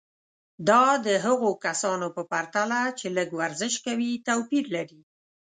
دا د هغو کسانو په پرتله چې لږ ورزش کوي توپیر لري.